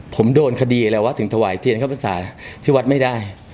ผมโดนคดีอะไรวะถึงถวายเทียนเข้าพรรษาที่วัดไม่ได้